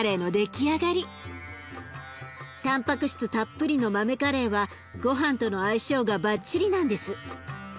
たんぱく質たっぷりの豆カレーはごはんとの相性がバッチリなんです。